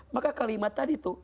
maka kalimat tadi tuh